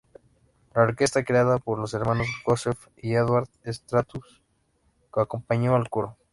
La orquesta creada por los hermanos Josef y Eduard Strauss, acompañó al coro.